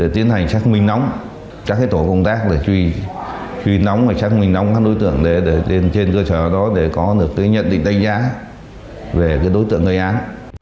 tiến hành xác minh nóng các cái tổ công tác là truy nóng và xác minh nóng các đối tượng để lên trên cơ sở đó để có được cái nhận định đánh giá về cái đối tượng gây án